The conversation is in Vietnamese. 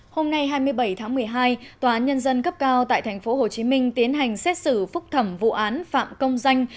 hôm nay hai mươi bảy tháng một mươi hai tòa án nhân dân cấp cao tại tp hcm tiến hành xét xử phúc thẩm vụ án phạm công danh